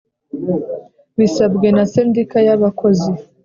Bisabwe na sendika y abakozi